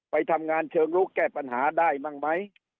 ไปทำงานเชิงลุกแก้ปัญหาได้มั่งไหม